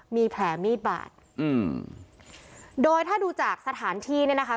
มีแผลมีดบาดอืมโดยถ้าดูจากสถานที่เนี่ยนะคะ